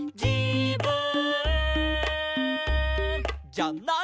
「じゃない」